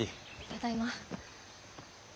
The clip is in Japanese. ただいま。